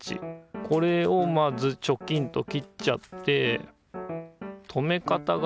これをまずチョキンと切っちゃって留め方がなんだ